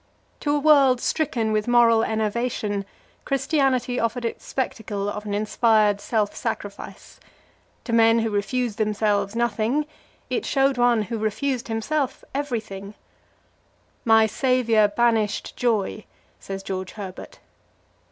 To a world stricken with moral enervation Christianity offered its spectacle of an inspired self sacrifice; to men who refused themselves nothing, it showed one who refused himself everything; "my Saviour banished joy" says George Herbert.